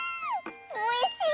おいしい！